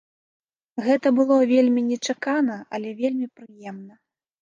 Гэта было вельмі нечакана, але вельмі прыемна.